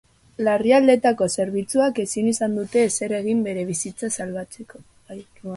Larrialdietako zerbitzuak ezin izan dute ezer egin bere bizitza salbatzeko.